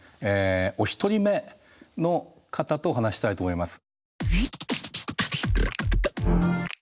お一人目の方と話したいと思います。